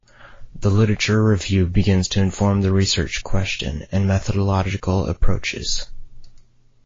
The literature review begins to inform the research question, and methodological approaches.